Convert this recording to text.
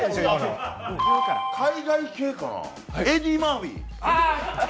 海外系かなエディー・マーフィー。